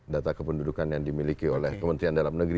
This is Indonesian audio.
data kependudukan yang dimiliki oleh kementerian dalam negeri